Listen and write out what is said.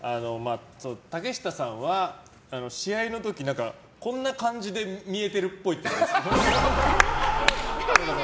竹下さんは試合の時こんな感じで見えてるっぽい。